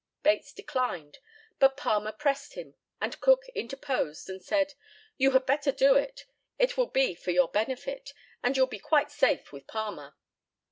Bates declined, but Palmer pressed him, and Cook interposed and said, "You had better do it; it will be for your benefit, and you'll be quite safe with Palmer."